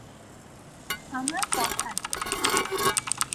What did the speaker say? আমরা পথ হারিয়েছি।